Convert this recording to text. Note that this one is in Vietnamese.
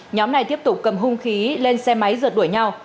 nhóm này tiếp tục cầm hung khí lên xe máy rượt đuổi nhau